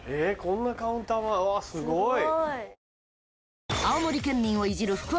こんなカウンターがすごい。